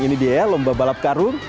ini dia ya lomba balap karung